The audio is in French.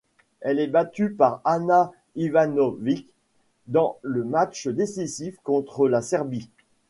Elle est battue par Ana Ivanović dans le match décisif contre la Serbie.